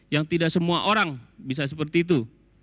yang tidak semua orang bisa seperti itu